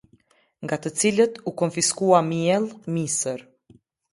Nga të cilët u konfiskua miell, misër.